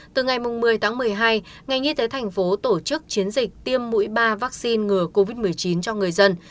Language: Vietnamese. từ ngày một mươi tháng một mươi hai ngành y tế thành phố tổ chức chiến dịch tiêm mũi ba vaccine ngừa covid một mươi chín cho người dân